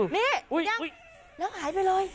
นี่ยังหายไปเลย